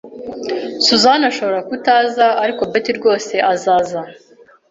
Susan ashobora kutaza, ariko Betty rwose azaza